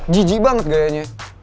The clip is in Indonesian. jiji banget gayanya